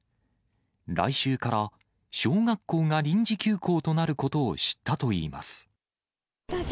来週から小学校が臨時休校となることを知ったといいます。